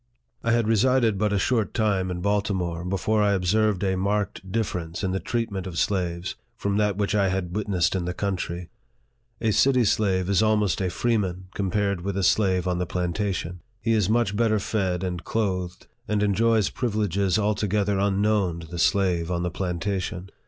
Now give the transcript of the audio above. I had resided but a short time in Baltimore before I observed a marked difference, in the treatment of slaves, from that which I had witnessed in the country. A city slave is almost a freeman, compared with a slave on the plantation. He is much better fed and clothed, and enjoys privileges altogether unknown to the slave on the plantation.